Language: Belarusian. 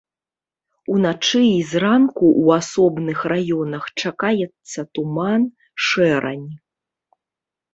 Уначы і зранку ў асобных раёнах чакаецца туман, шэрань.